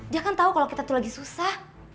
dia kan tahu kalau kita tuh lagi susah